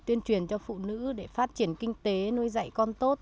tuyên truyền cho phụ nữ để phát triển kinh tế nuôi dạy con tốt